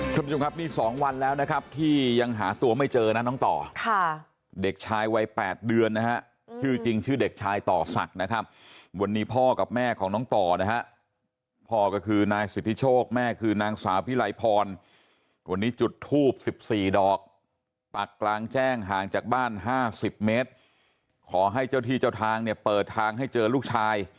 คุณผู้ชมครับนี่๒วันแล้วนะครับที่ยังหาตัวไม่เจอนะน้องต่อค่ะเด็กชายวัย๘เดือนนะฮะชื่อจริงชื่อเด็กชายต่อศักดิ์นะครับวันนี้พ่อกับแม่ของน้องต่อนะฮะพ่อก็คือนายสิทธิโชคแม่คือนางสาวพิไลพรวันนี้จุดทูบ๑๔ดอกปักกลางแจ้งห่างจากบ้าน๕๐เมตรขอให้เจ้าที่เจ้าทางเนี่ยเปิดทางให้เจอลูกชาย